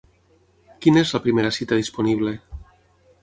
Quina és la primera cita disponible?